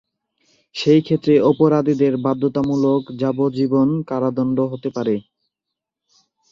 সেই ক্ষেত্রে অপরাধীদের বাধ্যতামূলক যাবজ্জীবন কারাদণ্ড হতে পারত।